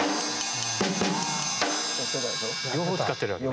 両方使ってるわけね。